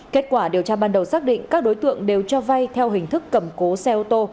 kết quả điều tra ban đầu xác định các đối tượng đều cho vay theo hình thức cầm cố xe ô tô